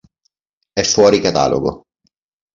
È fuori catalogo.